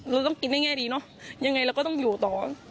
เราต้องกินได้แง่ดีเนอะยังไงเราก็ต้องอยู่ต่อ